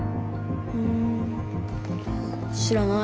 ん知らない。